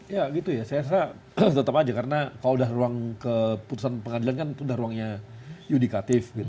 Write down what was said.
ya gitu ya saya rasa tetap aja karena kalau udah ruang keputusan pengadilan kan udah ruangnya yudikatif